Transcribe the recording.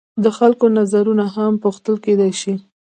د خلکو نظرونه هم پوښتل کیدای شي.